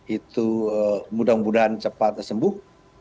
itu mudah mudahan cepat sembuh